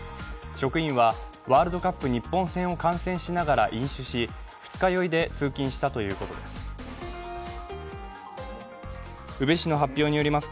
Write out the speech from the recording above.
職員はワールドカップ日本戦を観戦しながら飲酒し二日酔いで通勤したということです。